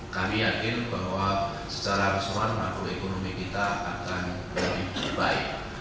kami yakin bahwa secara resuman maklum ekonomi kita akan lebih baik